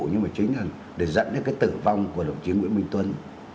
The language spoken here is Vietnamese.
nhưng mà chính là để dẫn đến cái tử vong của đồng chí nguyễn minh tuấn